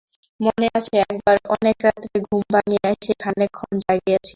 মনে আছে একবার অনেক রাত্রে ঘুম ভাঙিয়া সে খানিকক্ষণ জাগিয়া ছিল।